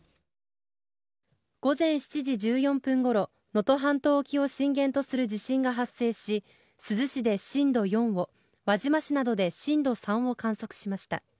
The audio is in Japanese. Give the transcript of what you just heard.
午前７時１４分ごろ能登半島沖を震源とする地震が発生し珠洲市で震度４を輪島市などで震度３を観測しました。